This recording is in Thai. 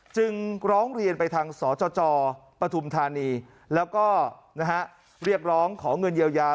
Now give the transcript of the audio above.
จึงร้องเรียนไปทางสจปฐุมธานีแล้วก็เรียกร้องขอเงินเยียวยา